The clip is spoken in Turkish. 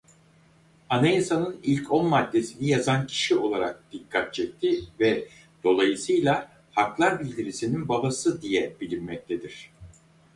Anayasanın ilk on maddesini yazan kişi olarak dikkat çekti ve dolayısıyla Haklar Bildirisi'nin Babası diye bilinmektedir.